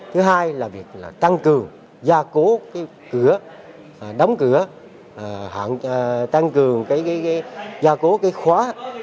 thứ hai là việc tăng cường gia cố cửa đóng cửa tăng cường gia cố khóa